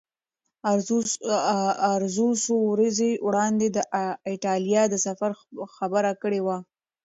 ارزو څو ورځې وړاندې د ایټالیا د سفر خبره کړې وه.